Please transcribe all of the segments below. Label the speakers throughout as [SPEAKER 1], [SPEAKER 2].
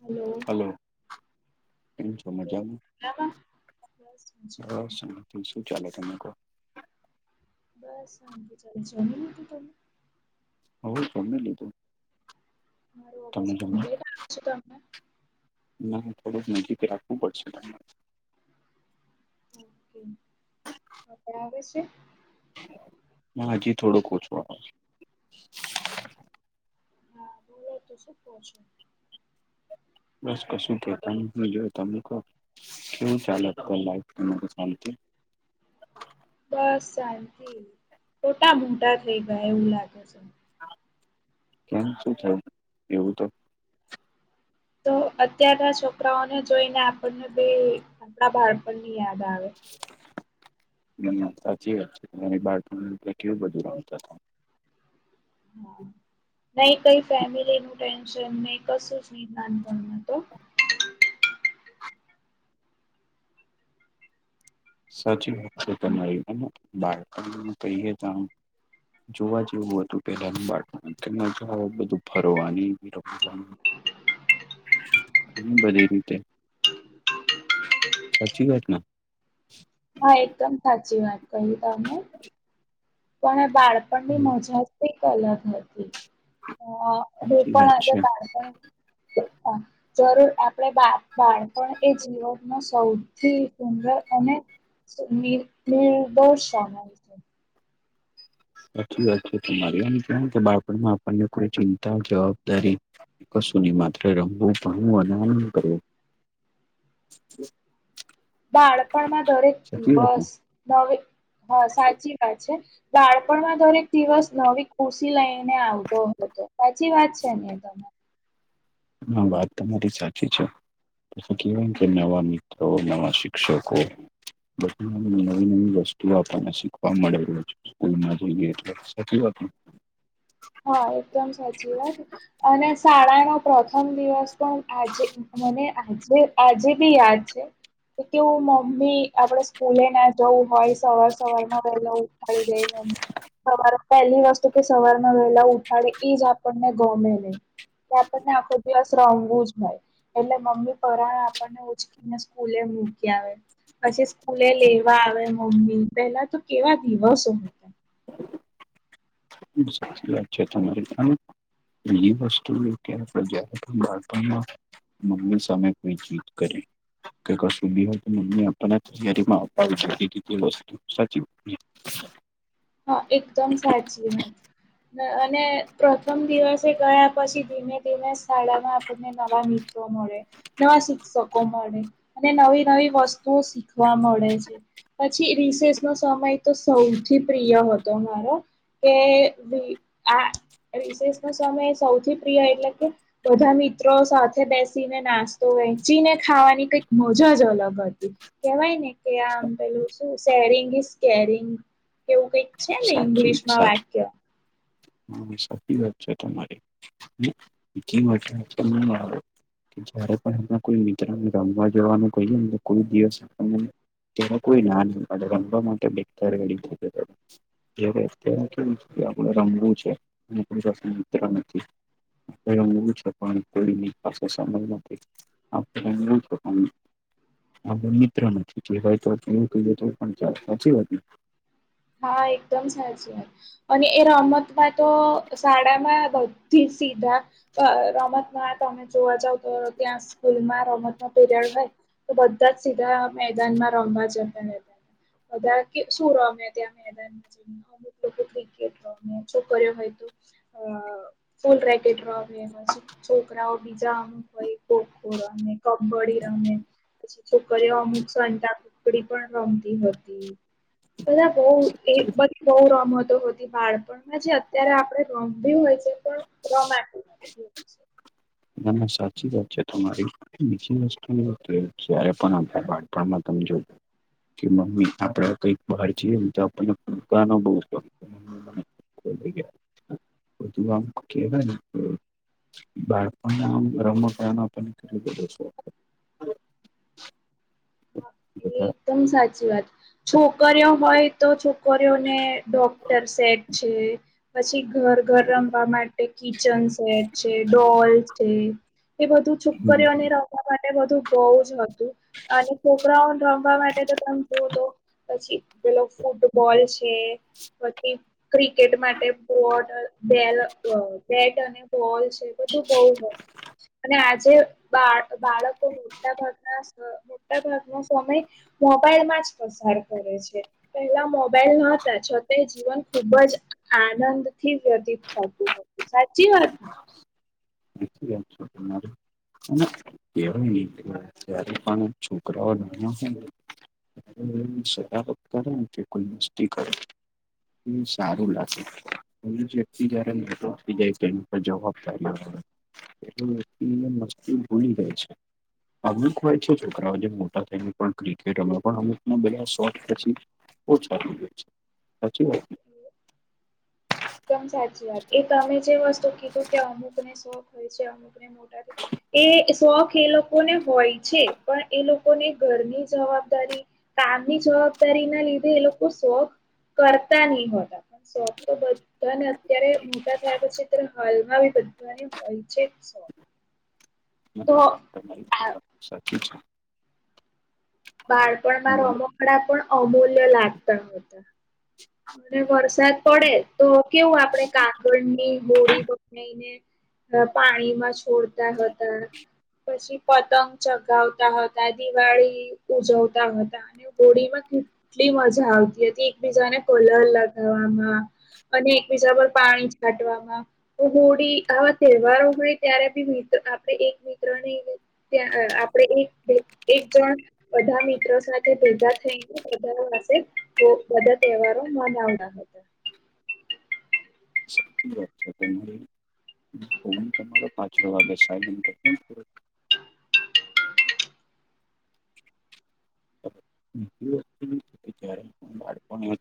[SPEAKER 1] Hello.
[SPEAKER 2] [unintelligible] કેમછો
[SPEAKER 1] કેવું
[SPEAKER 2] મજામાં
[SPEAKER 1] મજામાં? બસ
[SPEAKER 2] બસ
[SPEAKER 1] મજામાં
[SPEAKER 2] શાંતિ શું ચાલે તમે કહો.
[SPEAKER 1] બસ શાંતિ ચાલે છે જમી લીધું તમે.
[SPEAKER 2] હોવ જમી લીધું.
[SPEAKER 1] મારો અવાજ
[SPEAKER 2] તમે જમ્યા
[SPEAKER 1] કમ્પ્લીટ આવે છે તમને
[SPEAKER 2] ના થોડુંક [inaudible] માહી રાખવું પડશે તમને
[SPEAKER 1] ઓકે હમણાં આવે છે.
[SPEAKER 2] ના હજી થોડુંક ઓછું અવાજ.
[SPEAKER 1] હા બોલો તો શું કહો છો.
[SPEAKER 2] બસ કશું કેતા હું જો તમે કો કેવું ચાલે [unintelligible]
[SPEAKER 1] બસ શાંતિ મોટા મોટા થઈ ગયા એવું લાગે છે.
[SPEAKER 2] કેમ શું થયુ એવું તો
[SPEAKER 1] તો અત્યારના છોકરાઓને જોઈને આપણને બી આપણા બાળપણની યાદ આવે.
[SPEAKER 2] સાચી વાત [inaudible]
[SPEAKER 1] નય કઈ ફેમિલી નું ટેન્શન નય કશું જ નય નાનપણ માં તો.
[SPEAKER 2] સાચી વાત છે તમારી બાળપણ નું કહીએ તો આમ જોવા જેવું હતું પેલાનું બાળપણ અત્યારનું તો બધું ફરવાની રમવાની [inaudible] [unintelligible] ધણી બધી રીતે સાચી વાત ના. [unintelligible]
[SPEAKER 1] હા એકદમ સાચી વાત કહી તમે.
[SPEAKER 2] [unintelligible]
[SPEAKER 1] પણ બાળપણની મજા એક અલગ હતી અ. હે
[SPEAKER 2] સાચી
[SPEAKER 1] તા
[SPEAKER 2] વાત
[SPEAKER 1] આજે
[SPEAKER 2] છે
[SPEAKER 1] બાળપણ હ. જરૂર આપણે બા બાળપણ એ જીવનનો સૌથી સુંદર અને [unintelligible]
[SPEAKER 2] સાચી વાત છે તમારી એમ તેમ બાળપણમાં આપણને કોઈ ચિંતા જવાબદારી કશું નહી માત્ર રમવું ભણવું અને આનંદ કરવું.
[SPEAKER 1] બાળપણમાં દરેક
[SPEAKER 2] સાચી વાત ને
[SPEAKER 1] દિવસ નવી હા સાચી વાત છે. બાળપણમાં દરેક દિવસ નવી ખુશી લઈને આવતો હતો. સાચી વાત છે ને તને.
[SPEAKER 2] હા વાત તમારી સાચી છે. [inaudible] કેવા કે નવા મિત્રો નવા શિક્ષકો બધી નવી નવી વસ્તુઓ આપણને શીખવા મળે રોજ સ્કૂલમાં જઈએ એટલે સાચી વાત ને.
[SPEAKER 1] હા એકદમ સાચી વાત અને શાળાનો પ્રથમ દિવસ પણ આજે મને આજે આજે બી યાદ છે. તે કેવું મમ્મી આપડે સ્કૂલે ના જવું માઈસ. સવાર સવાર માં વેલો ઉઠાડી દે મમ્મી સવારે પહેલી વસ્તુ કે સવાર એમાં વેલા ઉઠાડે એ જ આપણને ગમે નહી કે આપણને આખો દિવસ રમવું જ હોય. એટલે મમ્મી પરાણા આપણને ઉંચકીને સ્કૂલે મૂકી આવે. પછી સ્કૂલે લેવા આવે મમ્મી, પેહલા તો કેવા દિવસો
[SPEAKER 2] ખૂબ સાચી વાત છે, તમારી આમ પીલી વસ્તુ હોય, જયારે આપડે બાળપળ માં મમ્મી સામે કોઈ જિદ કરે. કે કશું બી હોય તો એમને આપણને તૈયારીમાં અપાવુ જ પડે, તે વસ્તુ સાચૂં
[SPEAKER 1] હા, એકદમ સાચી વાત અને પ્રથમ દિવસે ગયા પછી, ધીમે-ધીમે શાળામાં આપણને નવા મિત્ર મળે, નવા શિક્ષકો મળે અને નવી-નવી વસ્તુઓ શીખવા મળે છે. પછી રિસેસ નો સમય તો સૌથી પ્રિય હતો મારો કે, આ રિસેશ નો સમય સૌથી પ્રિય એટલે કે બધા મિત્રો સાથે બેસીને નાસ્તો વહેચીને ખાવાની કઈક મજા જ અલગ હતી. કેવાય ને કે આમ પેલું શું શેરિંગ ઇઝ કેરિંગ એવું કઈક છે ને ઇંગ્લિશમાં વાક્ય
[SPEAKER 2] હા, સાચી વાત છે તમારી [unintelligible] જયારે પણ એમના કોઈ મિત્રને રમવા જવાનું કહીએ, તો કોઈ દિવસ આપણને તેમાં કોઈ ના નઈ પાડે, રમવા માટે [unintelligible] એ વખતે કેવું કે આપણે રમવું છે અને મિત્ર નથી. હવે રમવું છે, પણ કોઈ ની પાસે સમય નથી. [unintelligible] આપડે મિત્ર નથી [unintelligible] સાચી વાત ને
[SPEAKER 1] હા, એકદમ સચી વાત અને એ રમત માં તો શાળા માં થી સીધા અ રમતમાં તમે જોવા જાવ, તો ત્યાં સ્કૂલમાં રમત નો પિરિયડ હોય. તો બધા જ સીધા મેદાન માં રમવા જતા રહેતા, બધા કે શું રમે ત્યાં મેદાનમાં જઈને અમુક લોકો ક્રિકેટ રમે, છોકરીઓ હોય તો અ ફૂલ રેકેટ રમે, છોકરાઓ બીજા કોઈ ખો-ખો રમે, કબ્ડી રમે. પછી છોકરીઓ અમુક સતાકૂકડી પણ રમતી હતી, બધા બહ એ બઘી બવ રમતો હતી. બાળપણમાં જે અત્યારે આપડે રમવી હોય છે, પણ રમાંતી
[SPEAKER 2] ના-ના, સાચી વાત છે તમારી બીજી વસ્તુ એ કે જયારે પણ આપડે બાળપણમાં તમે જો કે મમ્મી આપણાં કઈક બહાર જઈએ, તો આપણને ફુગ્ગા નો બઉ શોખ [unintelligible] અને આમ રમકડા નો આપણને કેટલો બધો શોખ હોય. બધા
[SPEAKER 1] એકદમ સાચી વાત, છોકરીઓ હોય તો છોકરીઓ ને ડોક્ટર સેટ છે, પછી ઘર- ઘર રમવા માટે કિચન સેટ છે, ડોલ છે, એ બધું
[SPEAKER 2] હમ
[SPEAKER 1] છોકરીઓને રમ રમવા માટે બધું બહુજ જ હતું અને છોકરાઓ ન રમવા માટે તો તમે જોવ તો, પછી પેલો ફૂટબોલ છે. પછી ક્રિકેટ માટે બોટ અ, બેલ અ બેટ અને બોલ છે. બીજુ તો બઉ બધું હોય છે અને આજે બાળ, બાળકો મોટા ભાગના સ મોટાભાગ સમય મોબાઈલ માં જ પસાર કરે છે પેલા મો બેલ નોતા છતાંય જીવન ખુબ જ આનંદ થી વ્યતીત થતું હતું સાચી વાત ને
[SPEAKER 2] સાચી વાત છે તમારી. અને કેવાય નહ ત્યારે પણ છોકરાઓ છે ને [unintelligible] [unintelligible] એ સારું લાગે વ્યક્તિ [unintelligible] જાય છે એ જવાબદારી એ વ્યક્તિ મસ્તી ભૂલી જાય છે. અમુક હોય છે છોકરાઓ જે મોટા થાયને ક્રિકેટ હમણા પણ અમુક બધા શોખ પછી ઓછા થઈ જાય છે સાચી વાત ને.
[SPEAKER 1] એકદમ સાચી વાત એ તમે જે વસ્તુ કીધું કે અમુક ને શોખ હોય છે અમુક ને
[SPEAKER 2] [unintelligible]
[SPEAKER 1] એ શોખ એ લોકોને હોય છે પણ એ લોકોને ઘરની જવાબદારી કામની જવાબદારી ના લીધે એ લોકો શોખ કરતા નહી હોતા. શોખ તો બધા પણ અત્યારે મોટા થયા પછી હાલમાં બી બધાને હોય છે જ શોખ. તો
[SPEAKER 2] વાત
[SPEAKER 1] આ
[SPEAKER 2] તમારી સાચી છે. હા
[SPEAKER 1] બાળપણમાં
[SPEAKER 2] બોલો
[SPEAKER 1] રમકડા પણ અમૂલ્ય લાગતા હતા. અને વરસાદ પડે તો કેવું આપડણે કાગડ ની હોડી બનાવીને ને પાણીમાં છોડતા હતા. પછી પતંગ ચગાવતા હતા દિવાળી ઉજવતા હતા. હોળીમાં કેટલી મજા આવતી હતી એકબીજાને કલર લગાવવામાં. અને એક બીજા પર પાણી છાંટવામાં. હોળી આવા તહેવારો હોય ત્યારે બી મિત્ર આપણે એક મિત્રની ત્યાં આપડે એક એક જણ બધા મિત્રો સાથે ભેગા થઈને બધા પાસે બધા તહેવાર મનાવના.
[SPEAKER 2] સાચી વાત છે તમારી. મ. [unintelligible] પાછડ વાગે સાયલેનટ કરદો [inaudible] [unintelligible] બાળપણ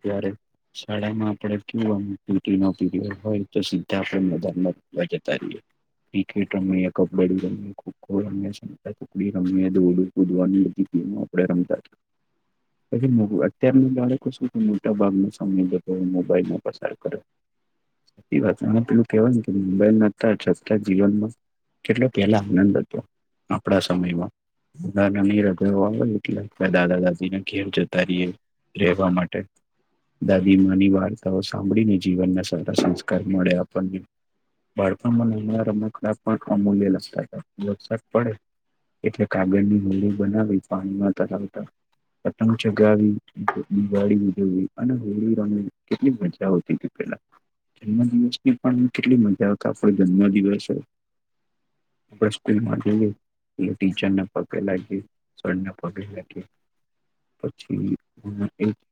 [SPEAKER 2] ત્યારે શાળામાં આપણે કેવુ પીટીનો પીરયડ હોય તો સીધા આપણે મેદાનમાં રમવા જતા રહીએ. ક્રિકેટ રમીએ કબડ્ડીરમે ખોખો રમીએ સંતાકુકડી ટુકડી રમીય દોડું કૂદવાની બધી ગમે. આપડે રમતા. પછી અત્યાર ના બાળકો શું મોટા ભાગ નો સમય બધો મોબાઈલ મા પસાર કરે. સાચી વાત પેલું કેવાય ને કે મોબાઈલ આવી જતા જીવનમાં કેટલો પેહલા આનંદ હતો આપડા સમયમાં બધા [unintelligible] આવે. એટલે દાદા દાદીને ઘેર જતા રહીએ રહેવા માટે. દાદી માની વાર્તાઓ સાંભળીને જીવનના સારા સંસ્કાર મળે આપણને. બાળપમાં મલેલા રમકડા પણ અમૂલ્ય લાગતા વરસાદ પડે એટલે કાગળની હોડી બનાવી પાણીમાં તરાવતા. પતંગ ચગાવી દિવાળી ઉજવવી અને હોળી રમવી કેટલી મજા આવતી. પે જન્મ દિવસ ની પણ કેટલી મજા આપડો જન્મ દિવસ આપણે સ્કૂલમાં જઈએ ટીચરને પગે લાગે સરને પગે લાગીએ પછી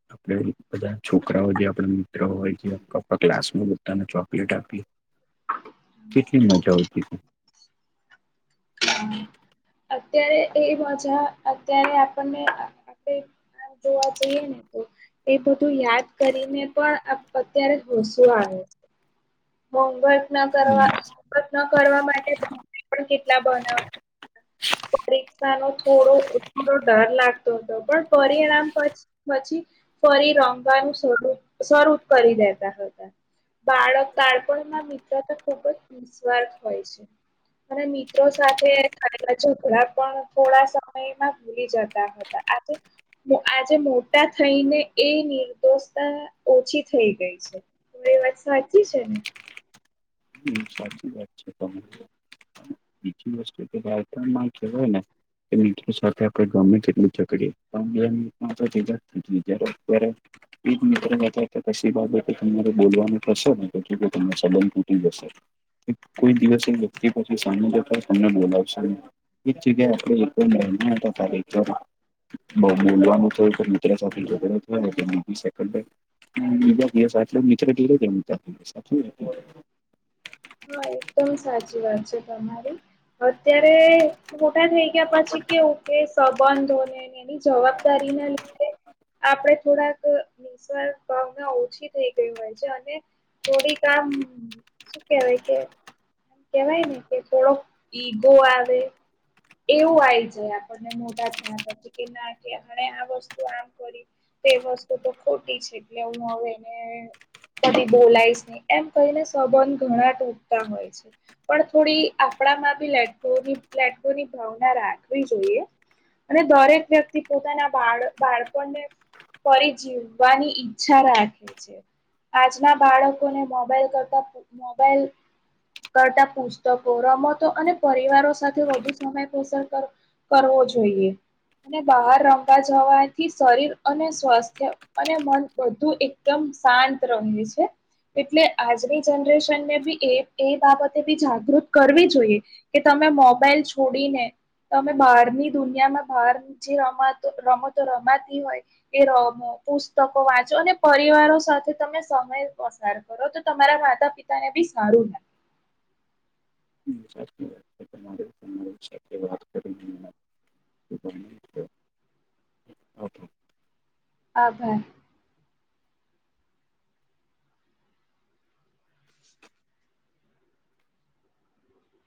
[SPEAKER 2] [inaudible] આપે [inaudible] બધા છોકરાઓ જે આપણા મિત્રો હોય જે [inaudible] ક્લાસમાં બધા ને ચોકલેટ આપી. કેટલી મજા આવતી હતી.
[SPEAKER 1] હા. અત્યારે એ મજા અત્યારે આપણને આપે આમ જોવા જઈએને તો એ બધું યાદ કરીને પણ આપ અત્યારે હસુ આવે છે. હોમવર્ક ન કરવા હોમવર્ક ન કરવા માટે પણ [inaudible] કેટલા બનાવતા. પરીક્ષાનો થોડો [inaudible] ડર લાગતો હતો, પણ પછી-પછી ફરી રમવાનું શરૂ શરૂ કરી દેતા હતા. બાળક બાળપણમાં મિત્રતા ખુબ જ નિસ્વાર્થ હોય છે. અને મિત્રો સાથે [inaudible] [inaudible] પણ થોડા સમયમાં ભૂલી જતા હતા. આજે [unintelligible] આજે મોટા થઈ ને એ નિર્દોષતા ઓછી થઈ ગઈ છે. તે વાત સાચી છે ને?
[SPEAKER 2] હતી સાચી વાત છે. [inaudible] બીજી વસ્તુ કે બાળપણમાં જે હોય ને [inaudible] એક મિત્ર [inaudible] પસી બાબતે તમારે બોલવાનું થશેને કેમ કે પોતાનો સંબંધ તૂટી જશે. કોઈ દિવસે વ્યક્તિ [inaudible] સામે જોતા જ [inaudible] બહુ બોલવાનું થાય કે મિત્ર સાથે [inaudible] [inaudible]
[SPEAKER 1] હ, એકદમ સાચી વાત છે તમારી, અત્યારે મોટા થઈ ગયા પછી કેવું કે, સંબંધોને એની જવાબદારીના લીધે આપણે થોડાક નિસ્વાર્થ ભાવના ઓછી થઈ ગઈ હોય છે, અને થોડીક આમ શું કેવાય કે કેવાયને કે થોડોક ઇગો આવે એવું આયી જાય આપણને મોટા થયા પછી કે, ના કે એમણે આ વસ્તુ આમ કરી. તે વસ્તુ તો ખોટી છે, એટલે હું હવે એને [inaudible] બોલાયીશ નહી, એમ કહીને સંબંધ ઘણા ટૂટતા હોય છે. પણ થોડી આપણામાં બી લેટ ગોની, લેટ ગોની ભાવના રાખવી જોઈએ. અને દરેક વ્યક્તિ પોતાના બાળ બાળકોને ફરી જીવવાની ઈચ્છા રાખે છે. આજના બાળકોને મોબાઈલ કરતા [inaudible] મોબાઈલ કરતા પુસ્તકો, રમતો અને પરિવારો સાથે વધુ સમય પસાર કર કરવો જોઈએ અને બહાર રમવા જવાથી શરીર અને સ્વાસ્થ્ય અને મન બધું એકદમ શાંત રહે છે એટલે આજની જનરેશનને બી એ એ બાબતે બી જાગૃત કરવી જોઈએ. કે તમે મોબાઈલ છોડીને તમે બહારની દુનિયામાં બહાર જે રમાત રમતો રમાતી હોય એ રમોપુસ્તકો વાંચો અને પરિવારો સાથે તમે સમય પસાર કરો તો તમારા માતા-પિતાને બી સારું લાગે.
[SPEAKER 2] હમ, સાચી વાત છે. તમારે [inaudible] મને ખૂબ આનંદ થયો. ઓકે
[SPEAKER 1] આભાર!